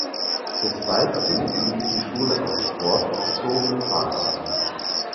Des Weiteren bietet die Schule auch Sport bezogene Fahrten an.